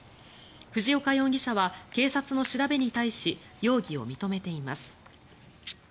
藤岡容疑者は警察の調べに対し容疑を認めています。